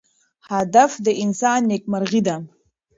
هدف د انسان نیکمرغي ده.